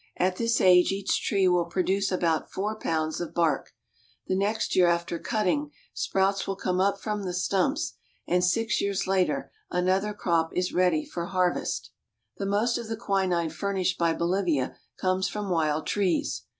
At this age each tree will produce about four pounds of bark. The next year after cutting, sprouts will come up from the stumps, and six years later another crop is ready for har vest. The most of the quinine furnished by Bolivia comes from wild trees.